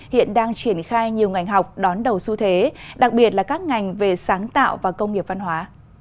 hiện đang triển khai nhiều ngành học đón đầu xu thế đặc biệt là các ngành về sáng tạo và công nghiệp văn hóa